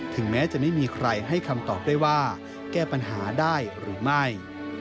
แม้จะไม่มีใครให้คำตอบได้ว่าแก้ปัญหาได้หรือไม่